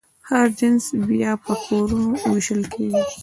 هر جنس بیا په کورنیو وېشل کېږي.